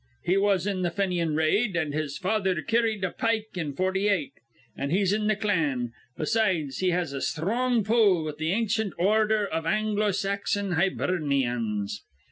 He was in the Fenian r raid, an' his father carrid a pike in forty eight. An' he's in th' Clan. Besides, he has a sthrong pull with th' Ancient Ordher iv Anglo Saxon Hibernyans.